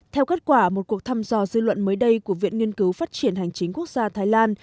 theo kết quả một cuộc thăm dò dư luận mới đây của viện nghiên cứu phát triển hành chính quốc gia thái lan